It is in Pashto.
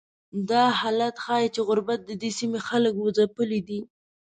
دا حالت ښیي چې غربت ددې سیمې خلک ځپلي دي.